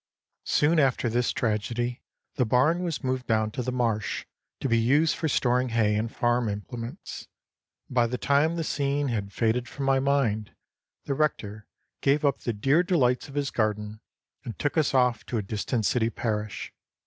Soon after this tragedy, the barn was moved down to the marsh, to be used for storing hay and farm implements. And by the time the scene had faded from my mind, the rector gave up the dear delights of his garden, and took us off to a distant city parish.